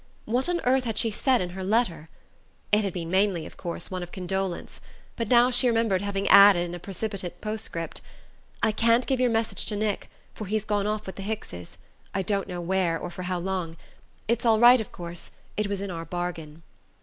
What on earth had she said in her letter? It had been mainly, of course, one of condolence; but now she remembered having added, in a precipitate postscript: "I can't give your message to Nick, for he's gone off with the Hickses I don't know where, or for how long. It's all right, of course: it was in our bargain."